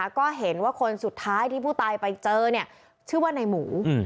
ก็เห็นว่าคนสุดท้ายที่ผู้ตายไปเจอเนี่ยชื่อว่าในหมู